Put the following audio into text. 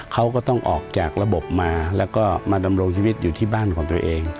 เขาก็ต้องออกจากระบบมาแล้วก็มาดำรงชีวิตอยู่ที่บ้านของตัวเอง